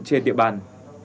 trên địa bàn